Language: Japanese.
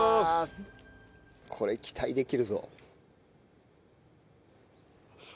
これ期待できるぞ。